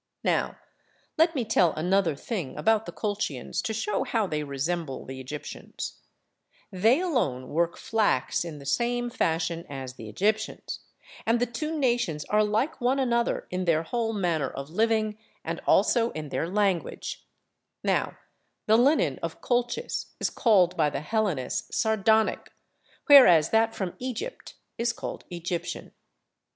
Now let me tell another thing about the Colchians to show how they resemble the Egyptians: they alone work flax in the same fashion as the Egyptians, and the two nations are like one another in their whole manner of living and also in their language: now the linen of Colchis is called by the Hellenes Sardonic, whereas that from Egypt is called Egyptian.